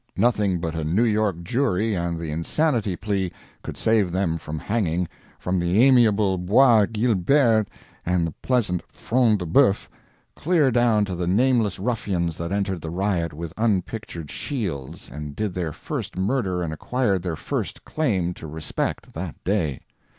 Nothing but a New York jury and the insanity plea could save them from hanging, from the amiable Bois Guilbert and the pleasant Front de Boeuf clear down to the nameless ruffians that entered the riot with unpictured shields and did their first murder and acquired their first claim to respect that day.